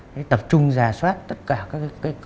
khi tập trung rà soát tất cả các cái